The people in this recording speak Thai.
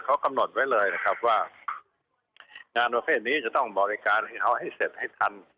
เขากำหนดไว้เลยนะครับว่างานประเภทนี้จะต้องบริการให้เขาให้เสร็จให้ทัน